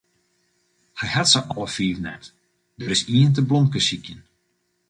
Hy hat se alle fiif net, der is ien te blomkesykjen.